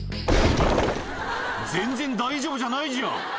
「全然大丈夫じゃないじゃん！」